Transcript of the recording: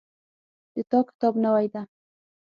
د تا کتاب نوی ده